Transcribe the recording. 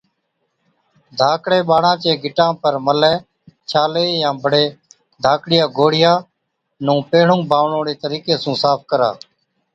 ڌاڪڙي ٻاڙا چي گِٽا پر ملَي، ڇالي يان بڙي ڌاڪڙِيا گوڙهِيا نُون پيهڻُون باڻوڙي طريقي سُون صاف ڪرا